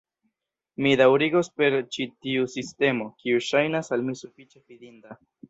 Mi daŭrigos per ĉi tiu sistemo, kiu ŝajnas al mi sufiĉe fidinda.